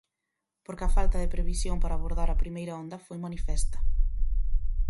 Porque a falta de previsión para abordar a primeira onda foi manifesta.